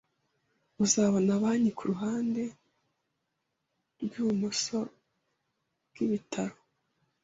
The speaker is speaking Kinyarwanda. Uzabona banki kuruhande rwibumoso bwibitaro.